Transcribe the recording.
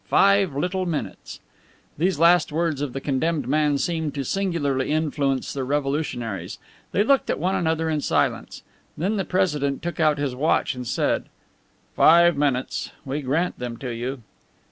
Five little minutes!" These last words of the condemned man seemed to singularly influence the revolutionaries. They looked at one another in silence. Then the president took out his watch and said: "Five minutes. We grant them to you."